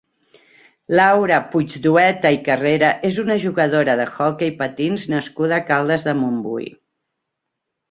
Laura Puigdueta i Carrera és una jugadora d'hoquei patins nascuda a Caldes de Montbui.